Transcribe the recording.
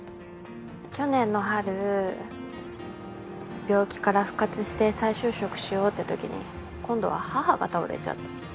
去年の春病気から復活して再就職しようってときに今度は母が倒れちゃって。